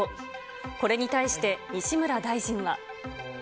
これに対して、西村大臣は。